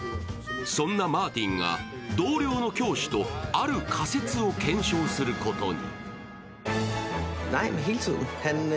そんなマーティンが同僚の教師とある仮説を検証することに。